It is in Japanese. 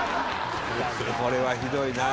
これはひどいな。